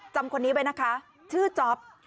จำคนนี้ไว้นะคะชื่อจ๊อป